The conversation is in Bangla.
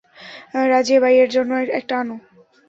রাজিয়াবাইয়ের জন্য একটা আনো।